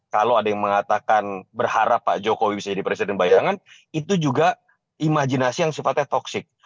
kalau ada yang mengatakan berharap pak jokowi bisa jadi presiden bayangan itu juga imajinasi yang sifatnya toksik